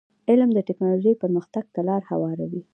علم د ټکنالوژی پرمختګ ته لار هواروي.